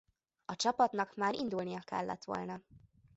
A csapatnak már indulnia kellett volna.